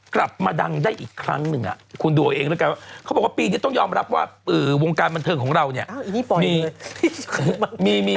กลับมาดังได้อีกครั้งหนึ่งคุณดูเอาเองแล้วกันว่าเขาบอกว่าปีนี้ต้องยอมรับว่าวงการบันเทิงของเราเนี่ย